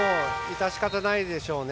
致し方ないでしょうね。